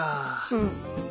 うん。